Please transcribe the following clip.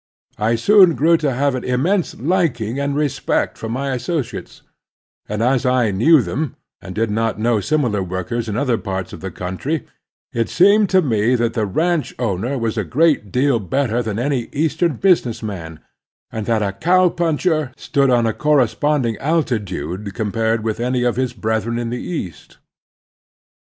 I soon grew to have an immense liking and respect for my asso ciates, and as I knew them, and did not know similar workers in other parts of the cotmtry, it seemed to me that the ranch owner was a great deal better than any Eastern business man, and that the cow puncher stood on a corresponding altitude compared with any of his brethren in the East.